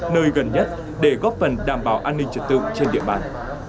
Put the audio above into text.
nơi gần nhất để góp phần đảm bảo an ninh trật tự trên địa bàn